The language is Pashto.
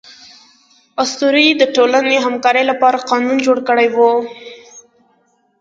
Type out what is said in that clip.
اسطورې د ټولنې همکارۍ لپاره قانون جوړ کړی و.